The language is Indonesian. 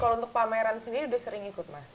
kalau untuk pameran sendiri sudah sering ikut mas